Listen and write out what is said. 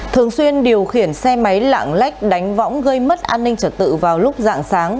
thường xuyên điều khiển xe máy lạng lách đánh võng gây mất an ninh trật tự vào lúc dạng sáng